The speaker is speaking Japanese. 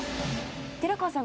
寺川さん